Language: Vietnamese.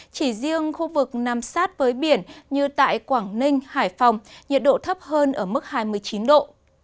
chỉ riêng khu vực nằm sát với biển như tại quảng ninh hải phòng nhiệt độ thấp hơn ở mức hai mươi chín độ